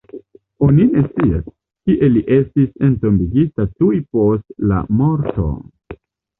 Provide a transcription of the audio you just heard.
Oni ne scias, kie li estis entombigita tuj post la morto.